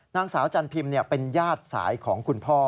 นางสาวจันพิมพ์เป็นญาติสายของคุณพ่อ